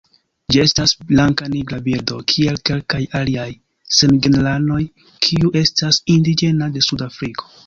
Ĝi estas blankanigra birdo kiel kelkaj aliaj samgenranoj kiu estas indiĝena de Suda Afriko.